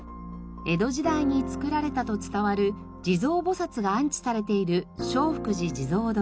江戸時代に造られたと伝わる地蔵菩薩が安置されている正福寺地蔵堂。